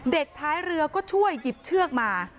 ท้ายเรือก็ช่วยหยิบเชือกมา